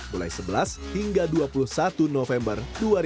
mulai sebelas hingga dua puluh satu november dua ribu dua puluh